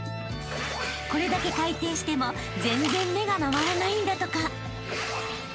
［これだけ回転しても全然目が回らないんだとか］